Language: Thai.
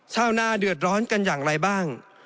ชาวนาเดือดร้อนกันอย่างไรบ้าง